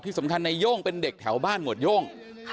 สำคัญในโย่งเป็นเด็กแถวบ้านหมวดโย่ง